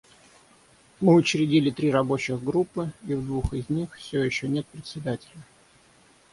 Мы учредили три рабочих группы, и в двух из них все еще нет Председателя.